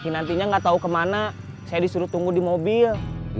ini juga disini aja